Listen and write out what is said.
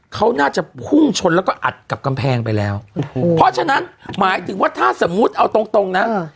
เขาน่าจะพุ่งชนแล้วก็อัดกับกำแพงไปแล้วเพราะฉะนั้นหมายถึงว่าถ้าสมมุติเอาตรงตรงนะ